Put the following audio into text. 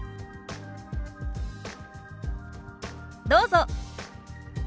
どうぞ。